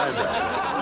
「ハハハハ！」